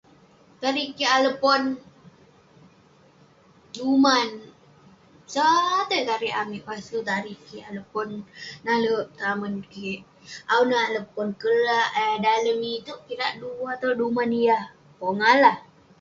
tarik kik alek pon, duman sau.. tai tarik amik pasu tarik kik alek pon nalek tamen kik, au ineh alek pon kelak eh dalem itouk, kirak duah tulouk duman yah pongah lah..